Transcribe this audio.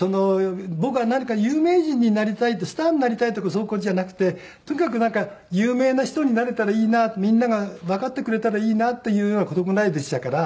僕は何か有名人になりたいってスターになりたいとかそういう事じゃなくてとにかくなんか有名な人になれたらいいなみんながわかってくれたらいいなっていうような事ぐらいでしたから。